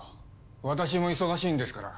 私も忙しいんですから。